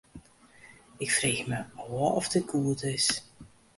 Ik freegje my ôf oft dit goed is.